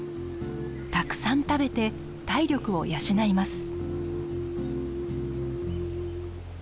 たくさん食べて体力を養います。